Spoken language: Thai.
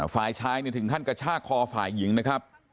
ฝ่ายชายถึงขั้นกระชากคอฝ่ายหญิงนะครับ